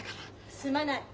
済まない。